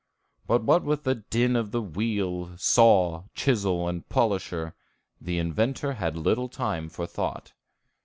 But what with the din of the wheel, saw, chisel, and polisher, the inventor had little time for thought.